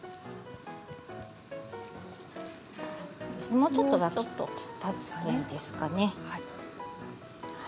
もうちょっと沸き立つといいですかね。